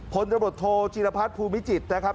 พนธรรมดโทจิรพัฒน์ภูมิจิตรนะครับ